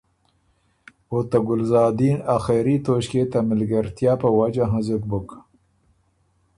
او ته ګلزادین آخېري توݭکيې ته مِلګېرتیا په وجه هنزُک بُک،